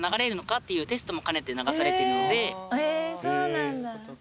へえそうなんだ。